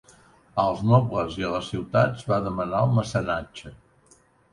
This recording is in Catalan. Als nobles i a les ciutats va demanar el mecenatge.